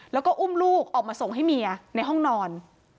แล้วก็อุ้มลูกออกมาส่งให้เมียในห้องนอน